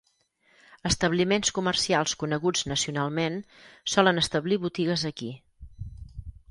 Establiments comercials coneguts nacionalment solen establir botigues aquí.